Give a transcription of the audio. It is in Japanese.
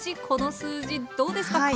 この数字どうですか？